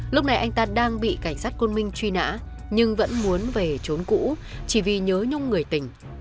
lúc này anh ta đang bị cảnh sát côn minh truy nã nhưng vẫn muốn về trốn cũ chỉ vì nhớ nhung người tình